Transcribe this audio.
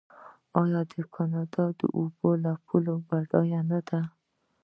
آیا کاناډا د اوبو له پلوه بډایه نه ده؟